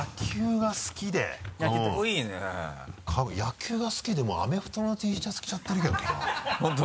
野球が好きでもアメフトのＴシャツ着ちゃってるけどな。